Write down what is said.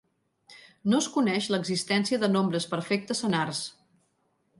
No es coneix l'existència de nombres perfectes senars.